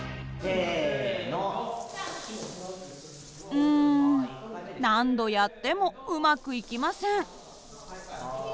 うん何度やってもうまくいきません。